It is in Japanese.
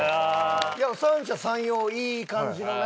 三者三様いい感じのねうん。